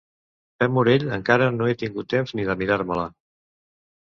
Pep Morell encara no he tingut temps ni de mirar-me-la.